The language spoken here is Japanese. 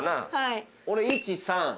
俺１３。